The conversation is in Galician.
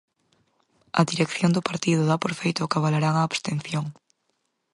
A dirección do partido dá por feito que avalarán a abstención.